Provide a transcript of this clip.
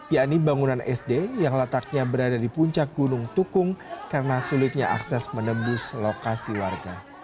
yakni bangunan sd yang letaknya berada di puncak gunung tukung karena sulitnya akses menembus lokasi warga